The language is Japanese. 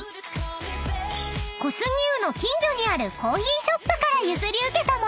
［小杉湯の近所にあるコーヒーショップから譲り受けた物］